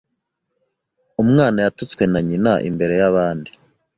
Umwana yatutswe na nyina imbere y'abandi.